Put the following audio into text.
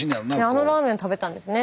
あのラーメン食べてたんですね。